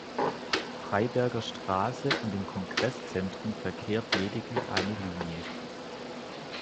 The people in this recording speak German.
Freiberger Straße und dem Kongresszentrum verkehrt lediglich eine Linie.